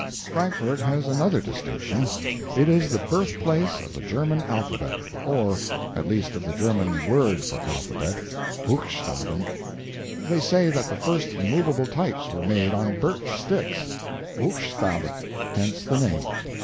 Frankfort has another distinction it is the birthplace of the German alphabet; or at least of the German word for alphabet BUCHSTABEN. They say that the first movable types were made on birch sticks BUCHSTABE hence the name.